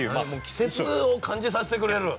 季節を感じさせてくれる。